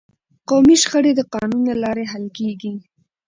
قومي شخړې د قانون له لارې حل کیږي.